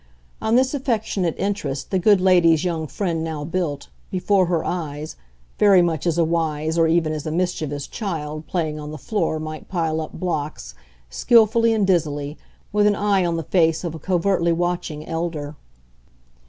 On this affectionate interest the good lady's young friend now built, before her eyes very much as a wise, or even as a mischievous, child, playing on the floor, might pile up blocks, skilfully and dizzily, with an eye on the face of a covertly watching elder.